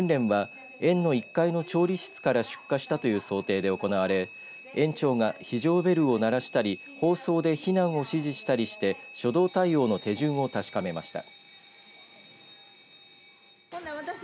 訓練は園の１階の調理室から出火したという想定で行われ園長が非常ベルを鳴らしたり放送で避難を指示したりして初動対応の手順を確かめました。